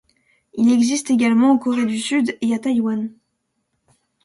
Il existe également en Corée du Sud et à Taïwan.